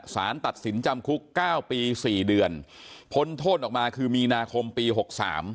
สารตัดสินจำคุกเก้าปีสี่เดือนพ้นโทษออกมาคือมีนาคมปีหกสาม